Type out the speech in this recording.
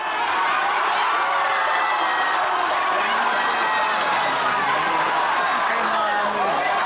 rekonstruksi sejarah perobekan bendera di hotel yamato